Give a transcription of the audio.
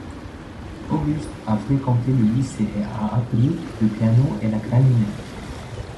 August a fréquenté le lycée et a appris le piano et la clarinette.